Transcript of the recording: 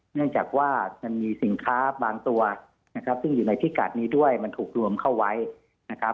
เนื่องจากว่ามันมีสินค้าบางตัวนะครับซึ่งอยู่ในพิกัดนี้ด้วยมันถูกรวมเข้าไว้นะครับ